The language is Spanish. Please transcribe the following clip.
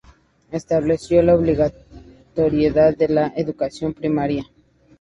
Estableció la obligatoriedad de la educación primaria.